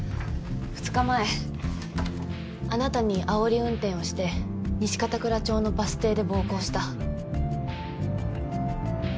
２日前あなたにあおり運転をして西片倉町のバス停で暴行した。